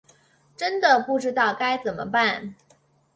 真的不知道该怎么办